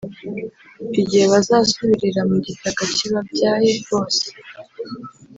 igihe bazasubirira mu gitaka kibabyaye bose.